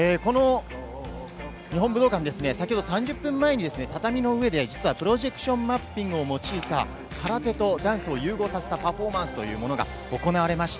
日本武道館、先ほど３０分前に畳の上で実はプロジェクションマッピングを用いた空手とダンス融合させたパフォーマンスというものが行われました。